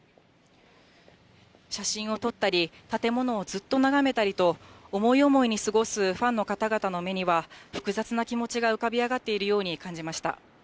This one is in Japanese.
写真を撮ったり、建物をずっと眺めたりと、思い思いに過ごすファンの方々の目には複雑な気持ちが浮かび上がっているように感じました。